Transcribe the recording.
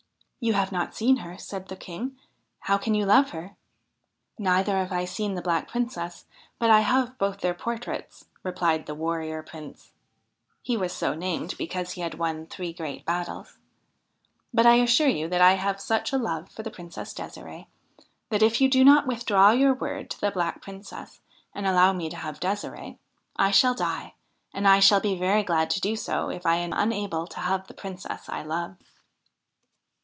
' You have not seen her,' said the King. ' How can you love her?' ' Neither have I seen the Black Princess, but I have both their portraits,' replied the Warrior Prince (he was so named because he had won three great battles), ' but I assure you that I have such a love for the Princess De'sire'e, that if you do not withdraw your word to the Black Princess and allow me to have D6siree, I shall die, and I shall be very glad to do so if I am unable to have the Princess I love.'